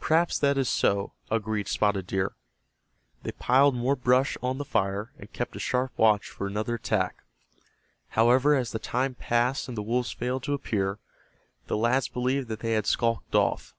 "Perhaps that is so," agreed Spotted Deer. They piled more brush on the fire, and kept a sharp watch for another attack. However, as the time passed and the wolves failed to appear, the lads believed that they had skulked off.